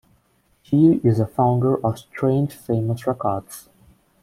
He is a founder of Strange Famous Records.